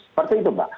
seperti itu mbak